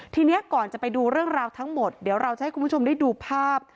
ทีนี้ก่อนจะไปดูเรื่องราวทั้งหมดเดี๋ยวเราจะให้คุณผู้ชมได้ดูภาพ